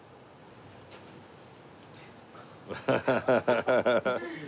ハハハハハ。